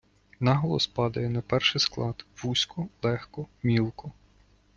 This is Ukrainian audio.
Наголос падає на перший склад: вузько, легко, мілко.